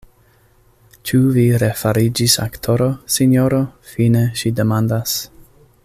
Ĉu vi refariĝis aktoro, sinjoro?fine ŝi demandas.